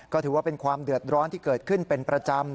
ก็ถือว่าเป็นความเดือดร้อนที่เกิดขึ้นเป็นประจำ